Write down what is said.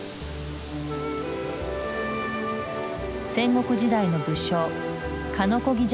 戦国時代の武将鹿子木寂